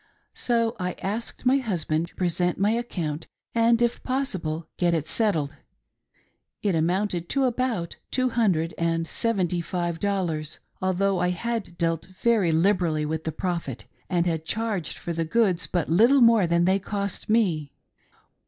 So I asked my husband to present my account and, if possible, get it settled — it amounted to about two hundred and seventy five dollars, although I had dealt very liberally with the Prophet, and had charged for the goods but little more than they cost me.